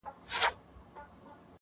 لکه ملنگ چي د پاچا تصوير په خوب وويني,